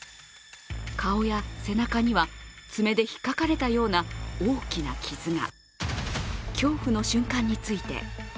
顔や背中には爪で引っかかれたような大きな傷が。